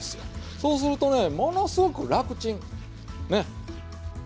そうするとねものすごく楽ちん。ね？